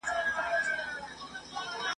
د ګودرونو د چینار سیوری مي زړه تخنوي !.